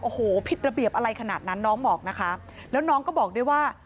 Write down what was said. โอ้โหผิดระเบียบอะไรขนาดนั้นน้องบอกนะคะแล้วน้องก็บอกด้วยว่า